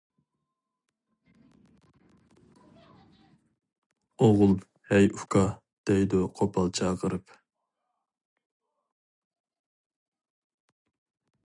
ئوغۇل :-ھەي ئۇكا، دەيدۇ قوپال چاقىرىپ.